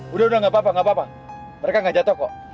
udah udah gak apa apa nggak apa apa mereka gak jatuh kok